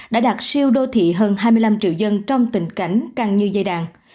đã đạt siêu đô thị hơn hai mươi năm triệu dân trong tình cảnh căng như dây đàn